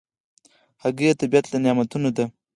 هګۍ د طبیعت له نعمتونو ده.